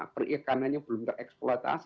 perikanannya belum tereksploitas